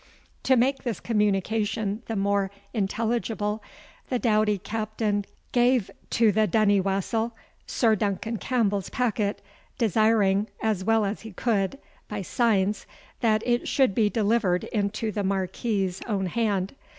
To make this communication the more intelligible, the doughty Captain gave to the Dunniewassel Sir Duncan Campbell's packet, desiring, as well as he could, by signs, that it should be delivered into the Marquis's own hand.